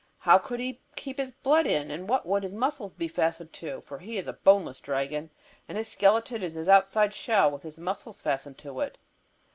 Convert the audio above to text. How could he keep his blood in, and what would his muscles be fastened to, for he is a boneless dragon, and his skeleton is his outside shell, with his muscles fastened to it?